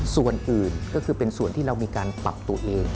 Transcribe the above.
ส่วนอื่นก็คือเป็นส่วนที่เรามีการปรับตัวเอง